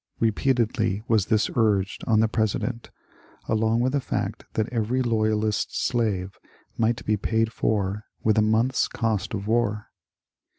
Repeatedly was this urged on the President, along with the fact that every loyalist's slave might be paid for with a month's cost of war.